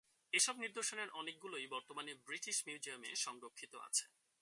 এসব নিদর্শনের অনেকগুলিই বর্তমানে ব্রিটিশ মিউজিয়ামে সংরক্ষিত আছে।